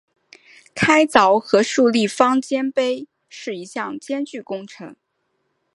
开凿和竖立方尖碑是一项艰巨工程。